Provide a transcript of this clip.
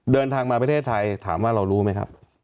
เดินทางมาประเทศไทยถามว่าเรารู้ไหมครับ